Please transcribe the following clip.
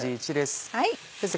先生